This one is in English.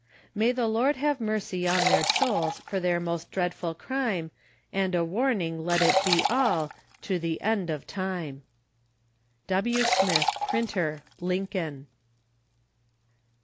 May the Lord have mercy on their souls, For their most dreadful crime; And a warning let it be all To the end of time. W. Smith, Printer, Lincoln.